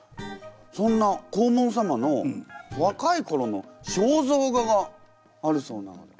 そんな黄門様の若いころの肖像画があるそうなので。